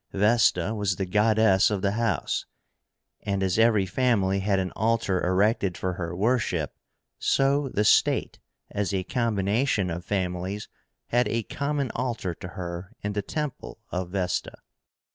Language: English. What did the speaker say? VESTA was the goddess of the house, and as every family had an altar erected for her worship, so the state, as a combination of families, had a common altar to her in the temple of Vesta.